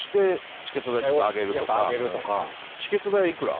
チケット代いくら？